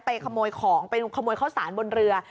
ขโมยของไปขโมยข้าวสารบนเรือ